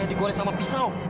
kayak digoreng sama pisau